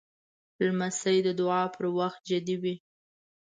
لمسی د دعا پر وخت جدي وي.